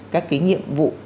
các cái nhiệm vụ